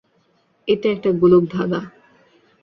এটা একটা গোলকধাঁধাঁ।